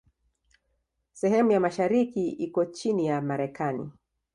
Sehemu ya mashariki iko chini ya Marekani.